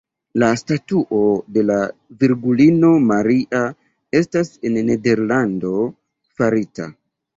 La statuo de la virgulino Maria estas en Nederlando farita.